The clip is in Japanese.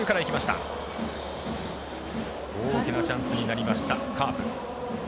大きなチャンスになりましたカープ。